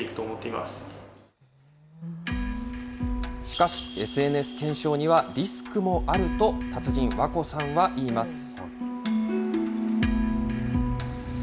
しかし、ＳＮＳ懸賞には、リスクもあると、達人、わこさんは言います。